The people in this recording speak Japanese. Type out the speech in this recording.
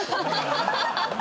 ハハハハ！